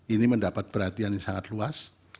ini mendapat perhatian yang sangat luas